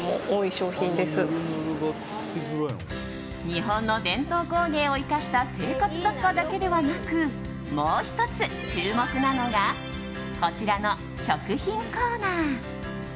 日本の伝統工芸を生かした生活雑貨だけではなくもう１つ、注目なのがこちらの食品コーナー。